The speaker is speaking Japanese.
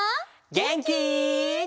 げんき？